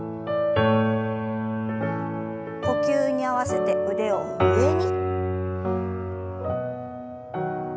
呼吸に合わせて腕を上に。